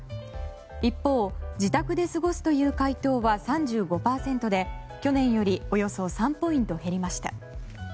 一方、自宅で過ごすという回答は３５％で去年よりおよそ３ポイント減りました。